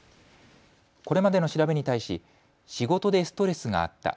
これまでの調べに対し仕事でストレスがあった。